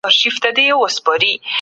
موږ باید یو بل ته بښنه وکړو.